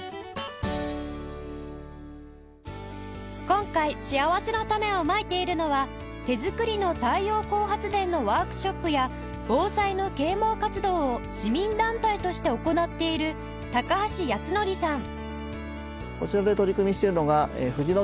今回しあわせのたねをまいているのは手作りの太陽光発電のワークショップや防災の啓蒙活動を市民団体として行っている高橋靖典さん